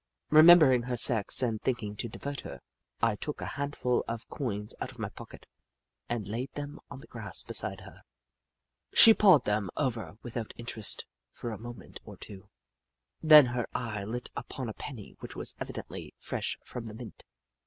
Remembering her sex and thinking to divert^ her, I took a handful of coins out of my pocket and laid them on the grass beside her. She pawed them over with out interest for a moment or two, then her eye lit upon a penny which was evidently fresh from the mint.